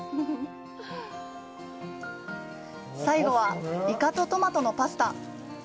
最後はイカとトマトのパスタ。